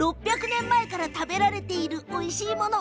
６００年前から食べられているおいしいもの。